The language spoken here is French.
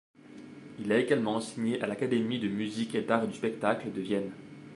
Il a également enseigné à l'Académie de musique et d'arts du spectacle de Vienne.